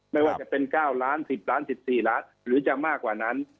ไม่ว่าจะเป็น๙ล้าน๑๐ล้าน๑๔ล้านหรือจะมากกว่านั้น